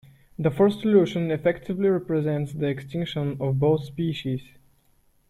The first solution effectively represents the extinction of both species.